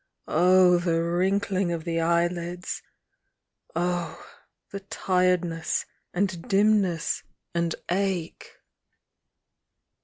— oh, the wrin kling of the eyelids!— oh, the tiredness, and dim ness and ache!